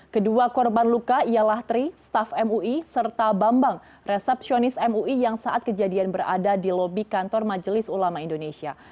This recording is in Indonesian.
kedua korban luka ialah tri staff mui serta bambang resepsionis mui yang saat kejadian berada di lobi kantor majelis ulama indonesia